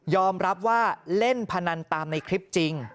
รับว่าเล่นพนันตามในคลิปจริง